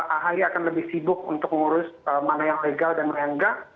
ahy akan lebih sibuk untuk mengurus mana yang legal dan mana yang enggak